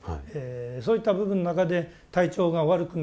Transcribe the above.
そういった部分の中で体調が悪くなってくる。